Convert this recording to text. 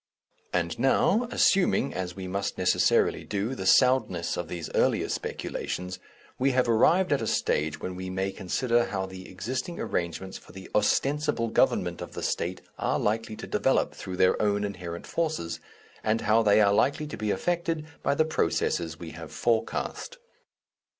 And now, assuming, as we must necessarily do, the soundness of these earlier speculations, we have arrived at a stage when we may consider how the existing arrangements for the ostensible government of the State are likely to develop through their own inherent forces, and how they are likely to be affected by the processes we have forecast.